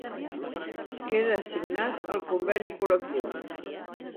Queda signat el conveni col·lectiu